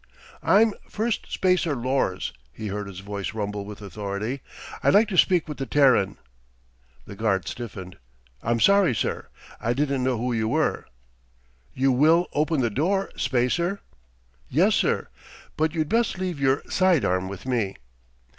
"I'm Firstspacer Lors," he heard his voice rumble with authority. "I'd like to speak with the Terran." The guard stiffened. "I'm sorry, sir. I didn't know who you were." "You will open the door, spacer?" "Yes, sir, but you'd best leave your sidearm with me."